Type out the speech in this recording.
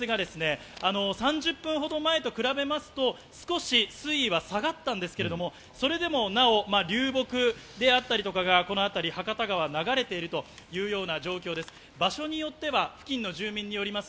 茶色く濁った水が３０分ほど前までと比べますと、少し水位は下がったんですけれど、それでもなお流木であったり、この辺り、博多川を流れているというような状況です。